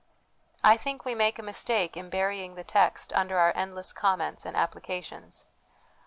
I think we make a mistake in burying the text under our endless comments and applications.